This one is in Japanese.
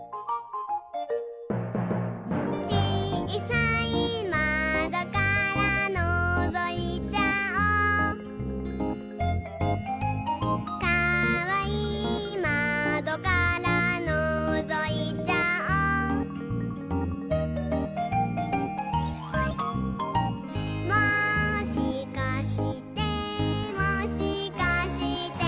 「ちいさいまどからのぞいちゃおう」「かわいいまどからのぞいちゃおう」「もしかしてもしかして」